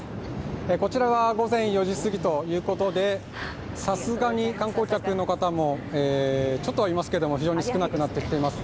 こちらは午前４時すぎということでさすがに観光客の方もちょっとはいますけど非常に少なくなってきています。